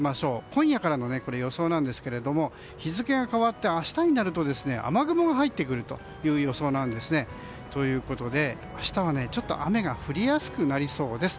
今夜からの予想なんですが日付が変わって明日になると、雨雲が入ってくるという予想です。ということで、明日はちょっと雨が降りやすくなりそうです。